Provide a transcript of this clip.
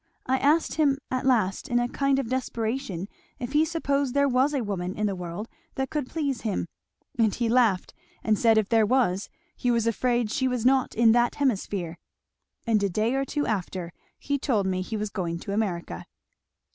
I asked him at last in a kind of desperation if he supposed there was a woman in the world that could please him; and he laughed, and said if there was he was afraid she was not in that hemisphere. And a day or two after he told me he was going to America."